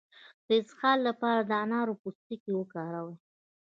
د اسهال لپاره د انارو پوستکی وکاروئ